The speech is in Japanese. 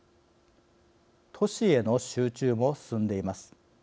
都市への集中も進んでいます。